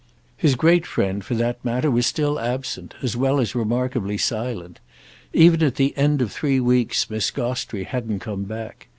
His great friend, for that matter, was still absent, as well as remarkably silent; even at the end of three weeks Miss Gostrey hadn't come back.